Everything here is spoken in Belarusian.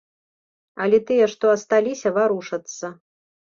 Але тыя, што асталіся, варушацца.